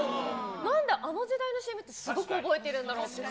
なんであの時代のＣＭってすごく覚えてるんだろうって。